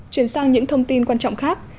chuyển sang những thông tin quan trọng khác